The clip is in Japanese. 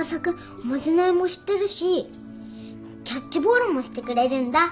おまじないも知ってるしキャッチボールもしてくれるんだ。